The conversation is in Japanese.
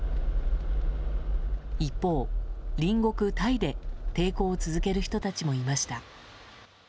一方、隣国タイで抵抗を続ける人たちもいました。